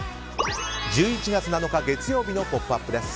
１１月７日、月曜日の「ポップＵＰ！」です。